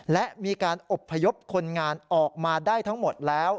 และมีการอบพยพคนงานออกมาได้ทั้งหมดแล้ว